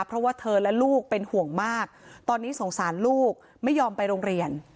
เพราะว่าเธอและลูกเป็นห่วงมากตอนนี้สงสารลูกไม่ยอมไปโรงเรียน